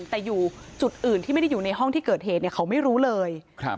แต่อยู่จุดอื่นที่ไม่ได้อยู่ในห้องที่เกิดเหตุเนี่ยเขาไม่รู้เลย